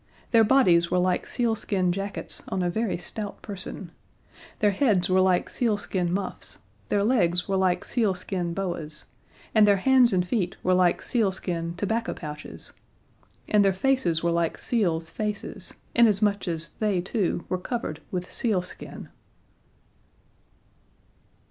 Their bodies were like sealskin jackets on a very stout person; their heads were like sealskin muffs; their legs were like sealskin boas; and their hands and feet were like sealskin tobacco pouches. And their faces were like seals' faces, inasmuch as they, too, were covered with sealskin.